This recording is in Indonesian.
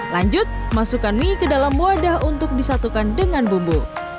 lanjut masukkan mie ke dalam wadah untuk disatukan dengan bumbu